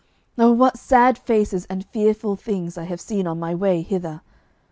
Oh what sad faces and fearful things I have seen on my way hither!